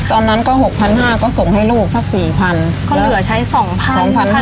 ตอนนั้นก็หกพันห้าก็ส่งให้ลูกสักสี่พันก็เหลือใช้สองพันสองพันห้า